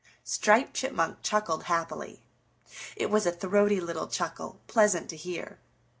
Striped Chipmunk chuckled happily. It was a throaty little chuckle, pleasant to hear.